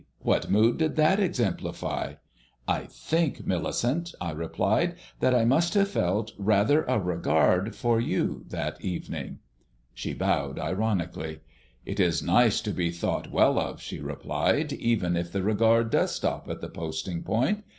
What mood did that exemplify?" "I think, Millicent," I replied, "that I must have felt rather a regard for you that evening." She bowed ironically. "It is nice to be thought well of," she replied, "even if the regard does stop at the posting point.